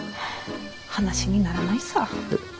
話にならないさ。